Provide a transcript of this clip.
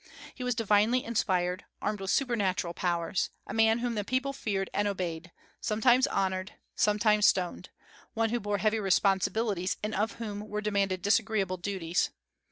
He was divinely inspired, armed with supernatural powers, a man whom the people feared and obeyed, sometimes honored, sometimes stoned; one who bore heavy responsibilities, and of whom were demanded disagreeable duties.